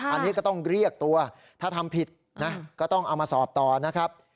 อันนี้ก็ต้องเรียกตัวถ้าทำผิดนะก็ต้องเอามาสอบต่อนะครับ